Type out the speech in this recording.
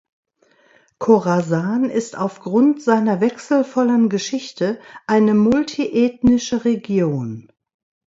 Chorasan ist aufgrund seiner wechselvollen Geschichte eine multi-ethnische Region.